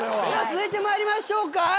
続いて参りましょうか。